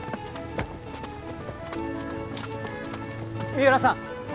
美浦さん